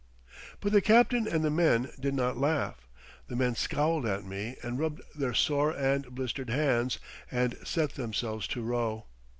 But the captain and the men did not laugh. The men scowled at me and rubbed their sore and blistered hands, and set themselves to row....